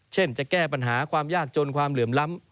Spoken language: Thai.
จะแก้ปัญหาความยากจนความเหลื่อมล้ำ